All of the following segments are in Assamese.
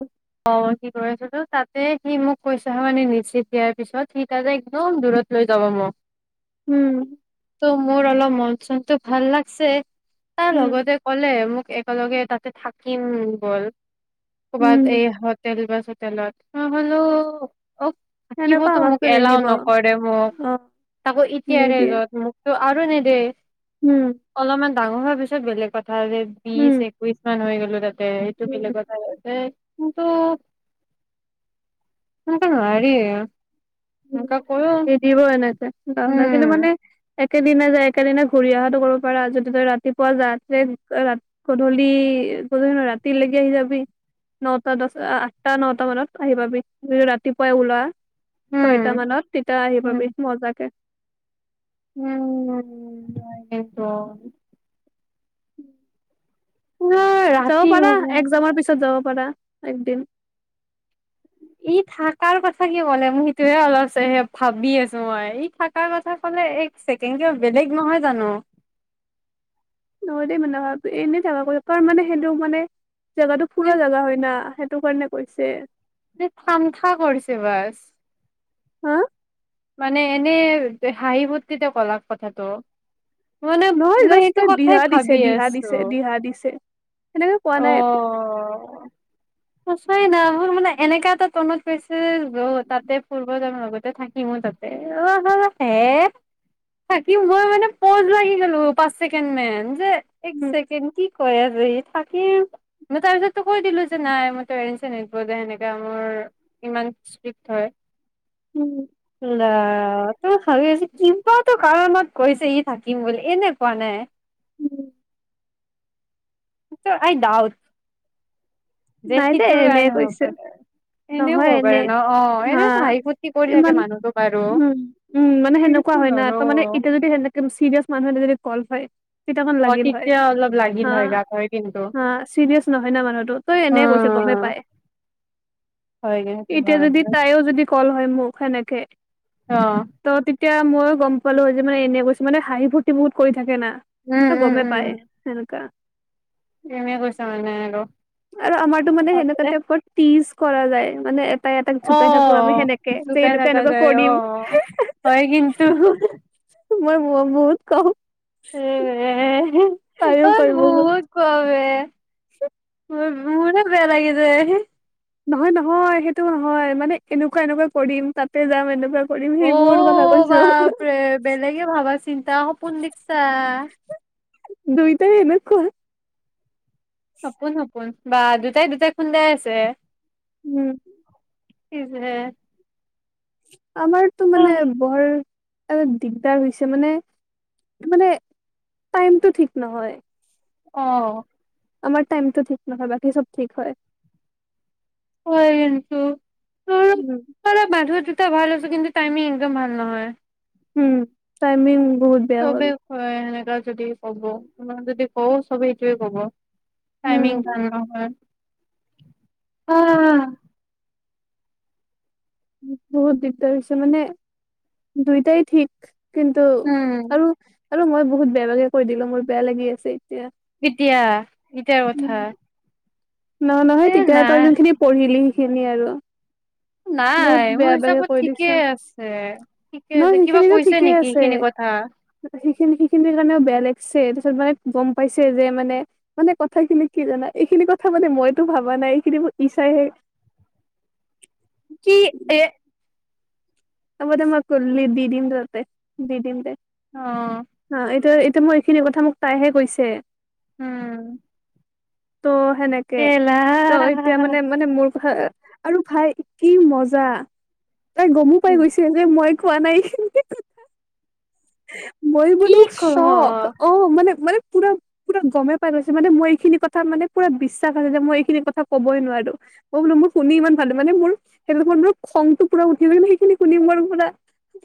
অ'। অ', কি কৰিছো তই? তাতে সি মোক কৈছে হা মানে নিশ্চে দিয়াৰ পিছত সি তাতে একদম দূৰত লৈ যাব মোক। উম। ত' মোৰ অলপ মন চনটো ভাল লাগছে। তাৰ উম, লগতে ক'লে মোক একেলগে তাতে থাকিম ব'ল। কবাত উম, এই হোটেল বাচত [unintelligible] অ সেনেকুৱা থাকিবতো মোক আমাকতো এলাও নিদিব নকৰে মোক অ', তাকৌ এতিয়াৰে নিদিয়ে য'ত মোকতো আৰু নিদেয়ে উম, অলপমান। ডাঙৰ হোৱাৰ পিছত বেলেগ কথা। ধৰা বিছ উম, একৈশমান হৈ গ'লে। [unintelligible] সেইটো উম, বেলেগ কথাই আছে। কিন্তু সেনেকে নোৱাৰি। উম সেনেকে কৰো নিদিব এনেকে, লাভ নাই কিন্তু উম মানে। একেদিনাই যাই একেদিনাই ঘূৰি অহাটো কৰিব পাৰা, যদি তই ৰাতিপুৱা যোৱা তে, গধূলি গধূলি নহয় ৰাতিলৈকে আহি যাবি, নটা দহটা আঠটা নটা মানত আহি পাবি যদি ৰাতিপুৱাই উলোৱা। ছয়টা উম, মানত তেতিয়া আহিব পাবি মজাকে। উম উম তাকেটো। নাই, যাব ৰাতি পাৰা হ'ব। একজাম পিছত যাব। পৰা একদিন। ই থকাৰ কথা কিয় ক'লে মোৰ সেইটোহে অলপ ভাবি আছোঁ মই ই থকাৰ কথা ক'লে এক ছেকেণ্ড কিবা বেলেগ নহয় জানো। নহয় দেই মানে এনে থকাত কৈ তাৰ মানে সেইটো মানে। জেগাটো ফুৰাৰ মানে জেগা হয় নাহ। সেইটো কাৰণে কৈছে। থামঠা কৰিছে বাছ। হা। মানে এনে হাঁহি-ফূৰ্তিতে ক'লাক কথাটো। মানে নহয় মই যাষ্ট সেইটো তাই কথাই দিহা দিছে ভাবি দিহা আছো দিছে দিহা দিছে। সেনেকে কোৱা নাই একো। অ'। সঁচাই না মোৰ মানে এনেকা এটা তনত কৈছে ৰ তাতে ফুৰ্বা যাম লগতে থাকিমো তাতে অহ হে থাকিম মই মানে পজ লাগি গলো পাঁচ ছেকেণ্ডমান যে। এক উম ছেকেণ্ড কি। কৈ আছে সি। থাকিম তাৰ পিছত কৈ দিলোঁ যে নাই মই প্ৰেৰেনছয়ে নিদিবযে সেনেকা মোৰ ইমান স্ত্ৰীক হয়। উম অ। [unintelligible] ভাবি আছোঁ কিবাটো কাৰণত কৈছে সি থাকিম বুলি এনে কোৱা নাই। উম আই ডাউট। যে নাই দে সিটোৰ এনে কাৰণে হ'ব কৈছে। পাৰে ক'ল এনেও হয় হ'ব পাৰে ন অ এনে হাঁহি ফূৰ্তি কৰি থাকে মানুহটো বাৰু কৃষ্ণ হৰো কেইটামান অ লাগিল হয় তেতিয়া অলপ হা লাগিল হয় গাত হয় কিন্তু হা চিৰিয়াচ নহয় নহ মানুহটো।। অ এনে কৈছে গমেই পায়, হয় এতিয়া হয় যদি হয় তাইও যদি। ক'ল হয় মোক সেনেকে। অহ। ত' তেতিয়া মই গম পালোঁ হয় যে মানে এনে কৈছে হাঁহি-ফুৰ্তি বহুত কৰি থাকে। থাকে না, উম ত গমেই পায়, সেনেকুৱা। এনে কৈছা মানে আৰু। আৰু আমাৰটো মানে হ'ব সেনেকুৱা দে। টাইপৰ তিজ কৰা যায় মানে এটাই এটাক জোকাই থাকো আমি অ', সেনেকে যে জোকাই এনেকুৱা থাকা এনেকুৱা যায়, কৰিম। অ', হয় কিন্ত। মই ব ব বহুত কম। [unintelligible] তাইও পাৰি চোন তইৱে। [unintelligible] মোৰহে বেয়া লাগি‌ যায় নহয়-নহয়, সেইটো নহয় মানে এনেকুৱা-এনেকুৱা কৰিম, তাতে যাম, এনেকুৱা। কৰিম সেইবোৰ কথা অ', কৈছো বাপৰে বেলেগে ভাবা চিন্তা সপোন দিকচা। দুইটাই এনেকোৱা। সপোন-সপোন। বা দুটাই-দুটাই খুন্দাই আছে উম। কি যে। আমাৰতো মানে বৰ অলপ দিগদাৰ হৈছে মানে, মানে টাইমতটো ঠিক নহয়। অ'। আমাৰ টাইমটো ঠিক নহয়, বাকী চব ঠিক হয়। [unintelligible] কিমান দুই‌ দুটা বঢ়াই লৈ লৈছ কিন্তু টাইমিং একদম ভাল নহয়। উম, টাইমিং। বহুত বেয়া হ'ল। চবেই থই এনেকা যদি কব, তোমাক যদি কওঁ ছবেই এইটোৱেই কব। উম, টাইমিং ভাল নহয়। অ', আহ। বহুত দিগদাৰ হৈছে মানে, দুইটাই ঠিক কিন্তু, উম আৰু আৰু মই বহুত বেয়া বেয়াকৈ দিলোঁ মোৰ বেয়া লাগি আছে এতিয়া। ইতিয়া কেতিয়াৰ‌ কথা? এ নহয়-নহয়, তেতিয়া নাই তই যোনখিনি পঢ়িলি। খিনি আৰু বহুত নাই মোৰ বেয়া বেয়াকে হিচাপত কৈ ঠিকে দিচে, আছে ঠিকে নহয় আছে কিবা সেইখিনিটো কৈছে ঠিকেই নেকি আছে, এইখিনি কথা সেইখিনি- সেইখিনিৰ কাৰণেও বেয়া লা ছে', তাৰপিছত মানে গম পাইছে যে', মানে, মানে কথাখিনি কি জানা, এইখিনি কথা মানে মইতো ভাবা নাই এইখিনি ইছাইহে কি এ', হবদে মই ', কল্লি দি', - দিম- দে তাতে, দি-দিম দে। অ অ, 'এইটো আৰু তোমাৰ এইখিনি কথা মোক তাইহে কৈছে। উম ত', সেনেকে, এলা ত', এতিয়া মানে, মানে মোক হা, আৰু ভাই কি মজা, তাই গ তাই গৈছে যে মই খোৱা নাই, মইয়ো কি বোলো ক স্বক অ', মানে- মানে পুৰা, পুৰা গমে পাই গৈছো, মানে মই এইখিনি কথা মানে পুৰা বিশ্বাস আছে যে, মই এইখিনি কথা কবই নোৱাৰো, মই বোলো মোৰ শুনি ইমান ভাল, মানে মোৰ সেইদিনাখন টো খংতটো পুৰা উঠি গ' ল মানে সেইখিনি শুনি মোৰ পুৰা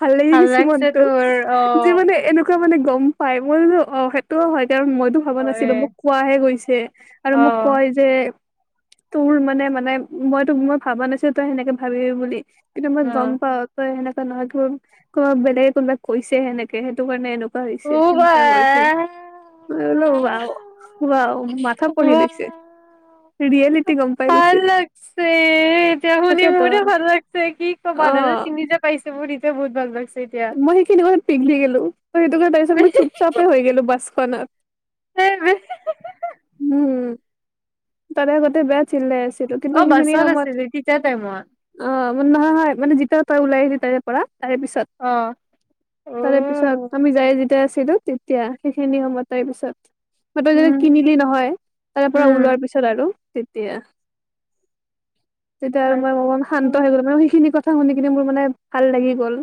ভাল -লাগি গেছে লাগছে মনটো, তোৰ অ যে', মানে এনেকুৱা মানে গম পাই মোৰ আৰু অ, ' সেইটোও হয় কাৰণ, মইতো ভাবা হয় নাছিলো মোক কোৱাহে গৈছে, আৰু অ মোক কয় যে তোৰ মানে-মানে, মই তো', মই ভাবা নাছিলো তই, হেনেকে ভাবিবি বুলি। কিন্তু মই অ গম পা ত', হেনেকা নহয়, ধৰ কোনোবা বেলেগে কোনোবা কৈছে হেনেকে সেইটো কাৰণে এনেকুৱা পঢ়িছে, উ বা সেনেকা কৈছে, মই বোলো ৱাৱ-ৱাৱ মাথা পঢ়ি বাহ, লৈছে। ৰিয়েলিটি গম পাই ভাল গৈছে লাগছে, এতিয়া শুনি তাকেতো মোৰো ভাল লাগছে, কি ক'বা অ দাদা ছিঙি দিয়ক পাইছে, মোৰ এতিয়া বহুত ভাল পাইছে মই সেইখিনি সমত পিঘলি গেলো, ত সেইটো কাৰণে তাৰ পিছত মই চুপচাপে হৈ গেলো বাছখনত। হুম, তাৰে আগতে বে চিল্লাই আছিলো, কিন্তু অ সেইখিনি বাছত সময়ত, আছিলি তেতিয়া টাইমত অ। নহয় হয়, মানে যেতিয়া তই ওলাই আহিলি তাৰে পৰা তাৰে পিছত, অ অ তাৰে পিছত আমি যায় যেতিয়া হিলো তেতিয়া, সেইখিনি সময়ত তাই পিছত [unintelligible] উম কিনিলি ন হয়, তাৰ পৰা উম ওলোৱাৰ পিছত আৰু। তেতিয়া। তেতিয়া আৰু হয় মই বহুত অ, শান্ত হৈ গলো, মানে সেইখিনি কথ কথা শুনি কিনে মোৰ মানে ভাল লাগি গ'ল।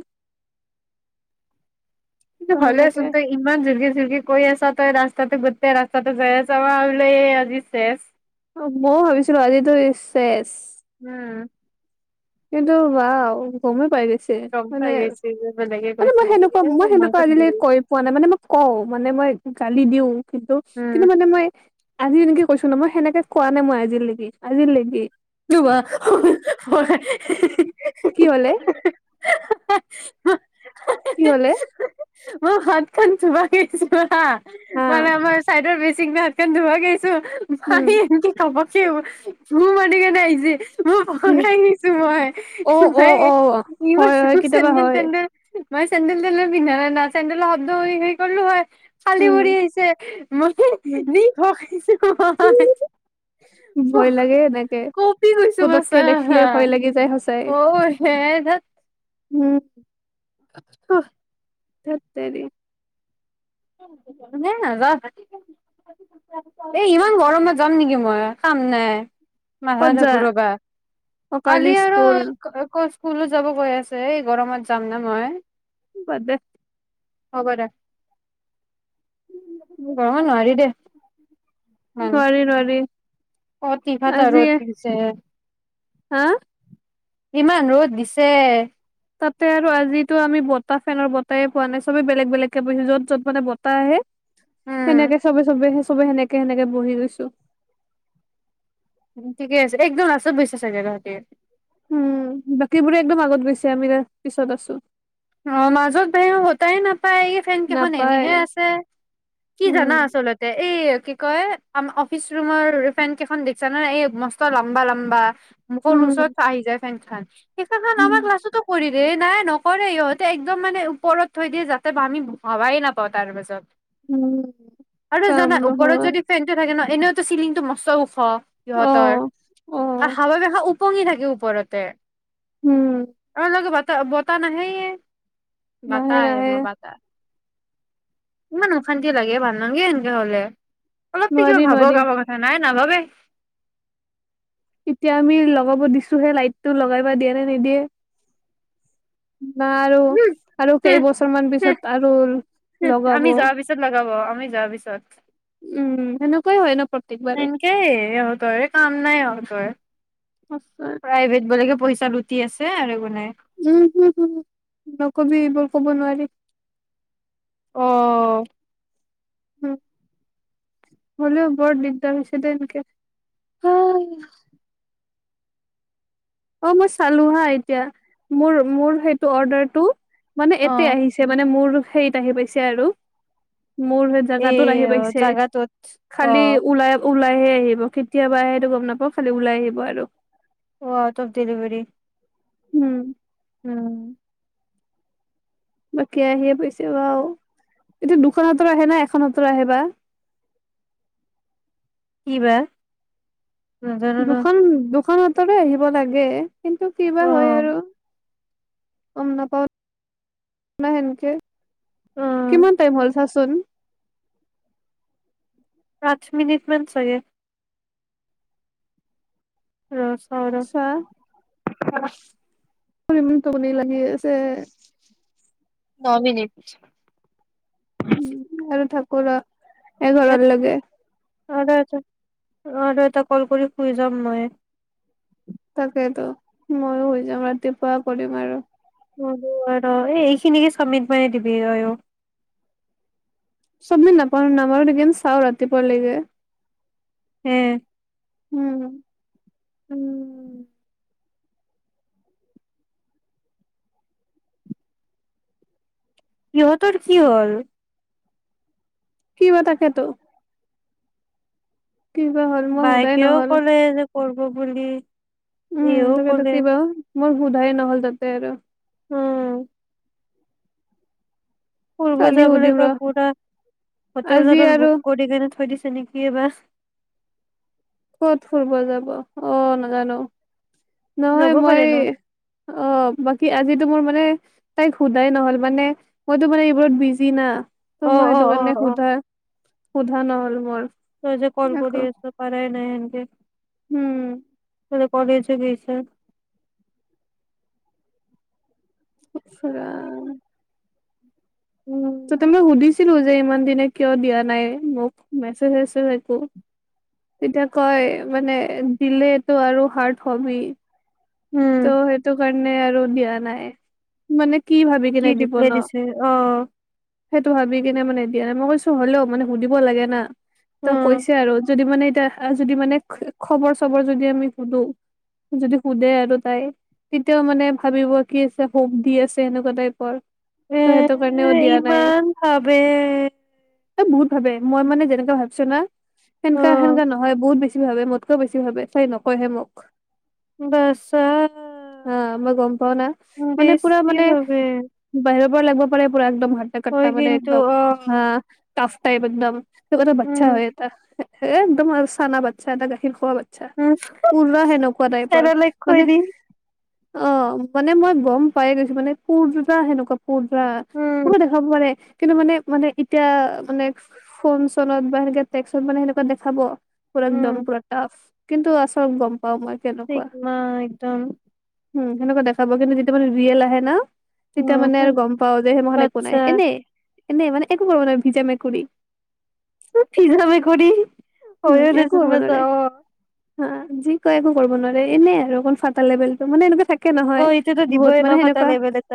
ত কিন্তু সেনেকে হ'লেচোন তই ইমান জুৰকে জুৰকে কৈ আছ। ৰাস্তাতে গোতে ৰাস্তাতে যায় আছা আজি চেছ। অ ময়ো ভাবিছিলো আজিতো চেছ উম। কিন্তু ৱাও। পাই গৈছে গম মানে পাই গৈছো যে বেলেগে মানে কৈছে মই বুলি সেনেকুৱা এ মই সেনেকুৱা মনটো ভাল আজিলৈ লাগিছে কৈ পোৱা নাই মানে মই কওঁ। মানে মই গালি দিওঁ। কিন্তু উম কিন্তু মানে মই। আজি এনেকে কৈছো ন মই সেনেকে কোৱা নাই মই আজিলেকে আজিলেকে। যোৱা। কি হলে? কি হলে? মই হাত খন ধুবা গেচীলো হা। হা মানে আমাৰ চাইডৰ হাত খন ধোৱা গৈছে ভাই উম এনেকে খাব। [unintelligible] কে ন আহ যে মই ভয় খাই গৈইছো অ অ অ হয় হয় মই কেতিয়াবা চেন্দেল হয় তেন্দেল। মই চেণ্ডেল তেণ্ডেল পিন্ধা নাই না চেণ্ডেলৰ শব্দ হেৰিলো হয় খালি উম ভৰি আহিছে মই উম নি খাইছে ভয় মই লাগে এনেকে কপি কৈছোঁ পুতককে মছা দেখিলে হা ভয় লাগি যায় সঁচাই অ সে ধেত। উম আহ। ধেত তেৰী। নাই নাযাম এ ইমান গৰমত যাম নেকি মই কাম নাই। মাঠা ক'ত চাথা যা ঘুৰাবা অকালি কালি আৰু স্কুল কৈ হুলো যাব কৈ আছে এই গৰমত যাম নে মই। বাদ দে। হ'ব দে। গৰমত নোৱাৰি দে। নোৱাৰি নোৱাৰি। কতি ফাতা আজি ৰদ দিছে। হা। ইমান ৰ'দ দিছে। তাতে আৰু আজিতো আমি বতাহ ফেনৰ বতাহ এ পোৱা নাই চবে বেলেগ বেলেগকে বহিছে য'ত য'ত মানে বতাহ আহে। সেনেকে উম চবে চবে। চবে সেনেকে সেনেকে বহি গৈছো ঠিকে আছে একদম লাষ্টত‌ বহিছে চাগে তহতিঁয়ে উম বাকীবোৰে একদম আগত গৈছে আমিকেইটা পিছত আছো। অ মাজত বহে বতাহ নাপায় এই ফেন কেইখন নাপায় এনেহে আছে কি জানা উম আচলতে এই কি কয় আ অফিচ ৰুমৰ ফেন কেইখন দেখছা ন এই মস্ত লম্বা লম্বা মুখৰ‌ ওচৰত উম আহি যায় থেংকছ সাৰ ইনষ্টগ্ৰম উম আমাৰ ক্লাচতো কৰি দে নাই নকৰে সিহঁত তাই একদম মানে ওপৰত থৈ দিয়ে যাতে আমি হাৱাই নাপাওঁ তাৰ পাছত উম আৰু কাম জানা ওপৰত নোহোৱা যদি ফেনতটো থাকে ন এনেওতো চিলিং টো মস্ত ওখ অ সিহঁতৰ অ হাৱা দেখা পঙি থাকে ওপৰতে উম আ আ ত বতাহ‌ নাহেয়ে নাহে বতাহ আহিব নাহে বতাহ ইমান অশান্তি লাগে ভাল নগে সেনকে হলে অলপটো কিবা নোৱাৰি নোৱাৰি ভাবক আমাৰ কথা নাই নাভাৱেই এতিয়া আমি লগাব দিছোহে লাইটটো লগাইবা দিয়ে নে নিদিয়ে বা আৰু আৰু কেইবছৰ মান পিছত আৰু লগাব আমি যোৱাৰ পিছত লগাব আমি যোৱাৰ পিছত উম সেনম তেনকে সিহঁতৰে কাম নাই আৰু তই সঁচা প্ৰাইভেট বোলেকে পইচা লুটি আছে আৰু একো নাই উম হুম হুম নকবি এইবোৰ ক'ব নোৱাৰি অ উ হলেও বৰ দিগদাৰ হৈছে‌ দে এনেকে উম অ মই চালো হা এতিয়া মোৰ মোৰ সেইটো অৰ্ডাৰটো মানে অ এতে আহিছে মানে মোৰ ও সেইত আহি পাইছে আৰু মোৰ সেই এই জোগাতোত আহি পাইছে জাগাটোত অ খালি ওলাই ওলাইহে আহিব কেতিয়াবা আহে সেইটো গম নাপাওঁ খালি ওলাই আহিব আৰু অ আউট অফ ডেলিভেৰি উম। উম। বাকী আহিয়ে পাইছে বাউ, এতিয়া দুখন হতৰ আহে ন এখন হাতৰ আহে বা? কিবা নাজানো ন দোখন, দোখনত তৰে আহিব লাগে। কিন্তু কি বা অ হয় আৰু। গমনা-প-নাহেনকে, অ কিমান টাইম হ'ল চাচোন। পাঁচ মিনিটমান চাগে। ৰ'চ ছা [unintelligible] ইমানটোপনি লাগি আছে [unintelligible] ন মিনট। [unintelligible] এঘৰৰলৈকে। আৰু এটা, আৰু এটা কল কৰি শুই যাম মই। তাকেইতো, ময়ো শুই যাম ৰাতিপুৱা কৰিম আৰু। হ'ব আৰু এইখিনিকে চাবমিট মাৰি দিবি আৰু। চাবমিট নাপাওঁ-নামাৰো নেকি চাওঁ ৰাতিপুৱালৈকে। হে। উম। উম। ইহঁতৰ কি হ'ল? কি বা থাকে তো। মই সোধাই বাইকেও ক'লে যে কৰব বুলি। ইও ক'লে [unintelligible] মই সোধাই নহ'ল তাতে আৰু। উম। ফূৰ্ব কালি যাবলৈ সুধিম ৰ গৈ পুৰা, হোটেল আজি চোটেল আৰু বুক কৰি কেনে থৈ দিছ তেনেকে বাচ ক'ত ফূৰব যাব, অ', নাজানো। যাব নহয় পাৰে মই, ন অ', বাকী আজিতো মোৰ মানে তাইক সোধাই নহল, মানে মইতো মানে এইবোৰত বিজি না। অ ত' মই অ অ এইটোকৰণে অ সুধা সোধা নহ'ল মোৰ। তই যে কল আকৌ কৰি আছ পাৰে নাই এনকে উম [unintelligible] কলেজো গৈছে উফ ৰাম ত উম তুমি সুধিছ যে ইমান দিনে কিয় দিয়া নাই মোক মেচেজ চেছেজ একো তেতিয়া কয় মানে দিলেটো আৰু হাৰ্ড হবি উম তো সেইটো কাৰণে আৰু দিয়া নাই মানে কি ভাবি কি কিনে দিব ৰিপ্লাই ন দিছে অ সেইটো ভাবি কিনে মানে দিয়া আ মই কৈছো হলেও মানে সুধিব লাগে না ত উম কৈছে আৰু যদি মানে এতিয়া আ যদি মানে খ খবৰ চবৰ যদি আমি সুধো যদি সোধে আৰু আই তেতিয়াও মানে ভাবিব কি আছে হোপ দি আছে সেনেকুৱা টাইপৰ এ ত' সেইটো কাৰণেও দিয়া নাই ইমান ভাবে এ বহুত ভাবে মই মানে যেনেকুৱা ভাবিছো না অ সেনকা সেনকা নহয় বহুত বেছি ভাবে মোতকেও বেছি ভাবে চাই নকয়হে মোক বাছ অ মই গম পাও না মানে পুৰা বেছি মানে ভাবে বাহিৰত লাগব পাৰে পুৰা একদম [unintelligible] কটটা হয় মানে কিন্তু একদম অ হা টফটাইপ একদম [unintelligible] বচ্ছা হয়টা এ একদম আৰু চানা বাচ্ছা এটা গাখীৰ খোৱা বাত আচ্ছা পুৰা হেনকাতাইপৰ মানে অ মানে মই গম পাই গৈছো মানে কোৰ জোতা হেনেকুৱা পোৰা পোৱা দেখাব পাৰে কিন্তু মানে মানে এতিয়া মানে ফোন চনত বা সেনে টেকসত মানে সেনেকুৱা দেখাব পুৰন্দম পুৰা তাফ কিন্তু আচল গম ব মই কেনেকুৱা ত উম সেনেকুৱা দেখাব কিন্তু যেতিয়া মানে ৰিয়েল আহে না তেতিয়া মানে আৰু উম গম পাও যে সেই মখন একো নাই বাচ্ছা এনে এনেই একো কৰিব নোৱাৰা ভিজা মেকুৰী। উফ! Video recording! [unintelligible] হুম, যি কয় একো কৰিব নোৱাৰে এনেই, আৰু অকণ ফাটা লেভেলটো মানে এনেকুৱাই থাকে। নহয় আও, এইটোতটো দিব বহুত মানে সেনেকুৱা এনেইও [unintelligible]